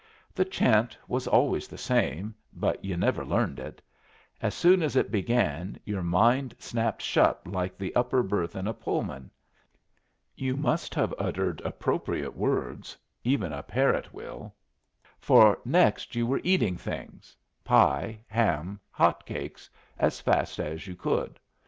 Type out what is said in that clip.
The chant was always the same, but you never learned it. As soon as it began, your mind snapped shut like the upper berth in a Pullman. You must have uttered appropriate words even a parrot will for next you were eating things pie, ham, hot cakes as fast as you could.